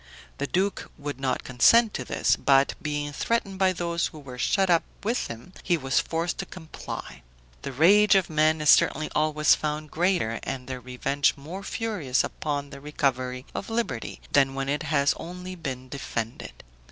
The duke would not consent to this; but being threatened by those who were shut up with him, he was forced to comply. The rage of men is certainly always found greater, and their revenge more furious upon the recovery of liberty, than when it has only been defended.